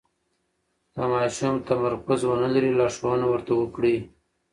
که ماشوم تمرکز ونلري، لارښوونه ورته وکړئ.